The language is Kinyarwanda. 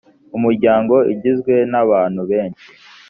umuryango ugizwe nabantu benshi.